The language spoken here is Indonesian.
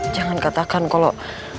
jangan katakan kalau